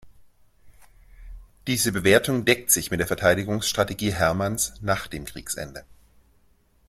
Diese Bewertung deckt sich mit der Verteidigungsstrategie Herrmanns nach dem Kriegsende.